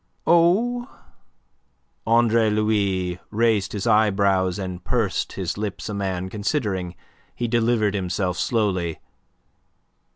"Oh," Andre Louis raised his eyebrows and pursed his lips, a man considering. He delivered himself slowly.